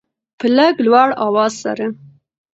په لږ لوړ اواز سره